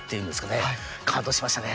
感動しましたね。